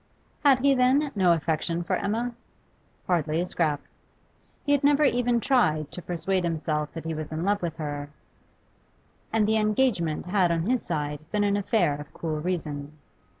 Had he, then, no affection for Emma? Hardly a scrap. He had never even tried 'to persuade himself that he was in love with her, and the engagement had on his side been an affair of cool reason.